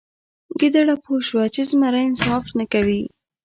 ګیدړه پوه شوه چې زمری انصاف نه کوي.